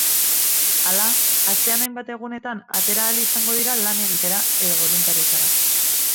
Hala, astean hainbat egunetan atera ahal izango dira lan egitera edo boluntariotzara.